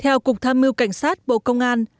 theo cục tham mưu cảnh sát bộ công an